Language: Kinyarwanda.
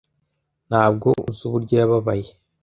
Ntabwo uzi uburyo yababaye.